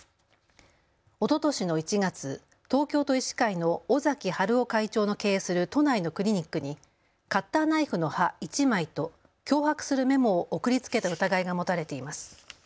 おととしの１月、東京都医師会の尾崎治夫会長の経営する都内のクリニックにカッターナイフの刃１枚と脅迫するメモを送りつけた疑いが持たれています。